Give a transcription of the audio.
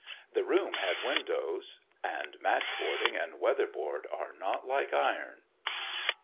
The room had windows, and match boarding and weather board are not like iron.